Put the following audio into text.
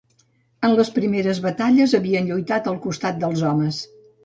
En les primeres batalles havien lluitat al costat dels homes